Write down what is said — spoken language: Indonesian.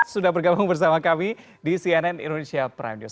sudah bergabung bersama kami di cnn indonesia prime news